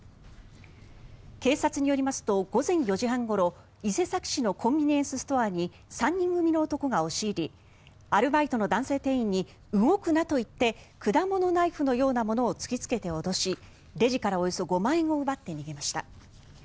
警察によりますと午前４時半ごろ伊勢崎市のコンビニエンスストアに３人組の男が押し入りアルバイトの男性店員に動くなと言って果物ナイフのようなものを突きつけて脅しレジからおよそ５万円を奪って逃げました。